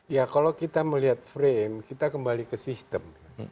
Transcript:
ya kalau kita melihat frame kita kembali ke sistem